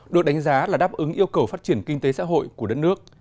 được đánh giá là đáp ứng yêu cầu phát triển kinh tế xã hội của đất nước